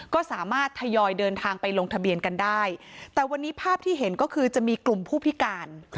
ก็สามารถทยอยเดินทางไปลงทะเบียนกันได้แต่วันนี้ภาพที่เห็นก็คือจะมีกลุ่มผู้พิการ